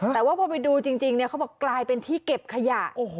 แต่ว่าพอไปดูจริงเขาบอกกลายเป็นที่เก็บขยะ